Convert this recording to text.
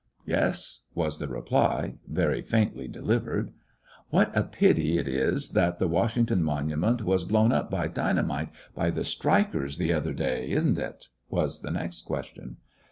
"Yes," was the reply, very faintly delivered. "What a pity it is that the Washington Monument was blown up by dynamite by the strikers, the. other day, is n't it!" was the next question.